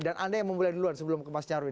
dan anda yang mulai duluan sebelum ke mas carwin